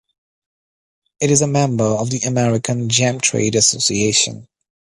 It is a member of the American Gem Trade Association.